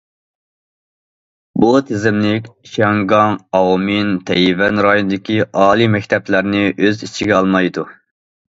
بۇ تىزىملىك شياڭگاڭ، ئاۋمېن، تەيۋەن رايونىدىكى ئالىي مەكتەپلەرنى ئۆز ئىچىگە ئالمايدۇ.